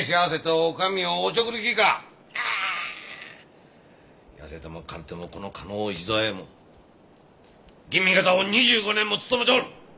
はっ痩せても枯れてもこの加納市左衛門吟味方を２５年も務めておる！